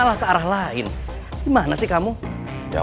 udah ngeri ngeri aja